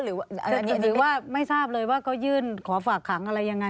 หรือว่าไม่ทราบเลยว่าเขายื่นขอฝากขังอะไรยังไง